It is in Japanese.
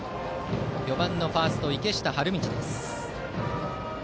４番のファースト池下春道。